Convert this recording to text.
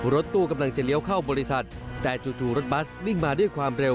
รถตู้กำลังจะเลี้ยวเข้าบริษัทแต่จู่รถบัสวิ่งมาด้วยความเร็ว